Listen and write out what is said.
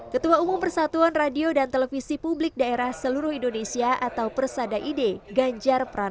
ketua umum persatuan radio dan televisi publik daerah seluruh indonesia atau persadaide ganjar peran